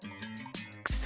クソ！